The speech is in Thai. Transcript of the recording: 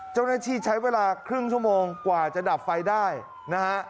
เจ้าหน้าที่ใช้เวลาครึ่งชั่วโมงกว่าจะดับไฟได้นะฮะ